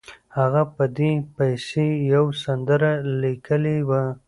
هغه په دې پسې یوه سندره لیکلې وه.